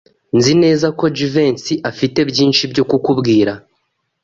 Nzi neza ko Jivency afite byinshi byo kukubwira.